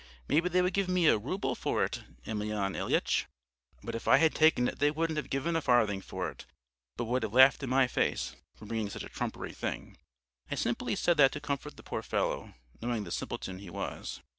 Maybe they would give me a rouble for it, Emelyan Ilyitch.' "But if I had taken it they wouldn't have given a farthing for it, but would have laughed in my face for bringing such a trumpery thing. I simply said that to comfort the poor fellow, knowing the simpleton he was.